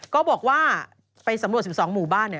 ก็บอกว่าไปสำรวจ๑๒หมู่บ้านเนี่ย